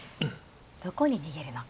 どこに逃げるのか。